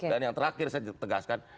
dan yang terakhir saya tegaskan